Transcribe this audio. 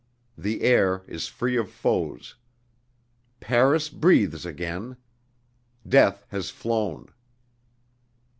The air is free of foes. Paris breathes again. Death has flown.